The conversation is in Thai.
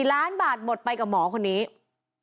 ล้านบาทหมดไปกับหมอคนนี้